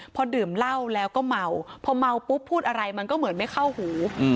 พอดื่มเหล้าแล้วก็เมาพอเมาปุ๊บพูดอะไรมันก็เหมือนไม่เข้าหู